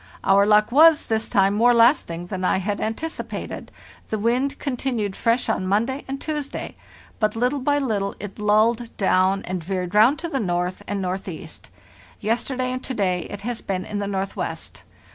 Our luck was, this time, more lasting than I had anticipated; the wind continued fresh on Monday and Tuesday, but little by little it lulled down and veered round to the north and northeast. Yesterday and to day it has been in the northwest.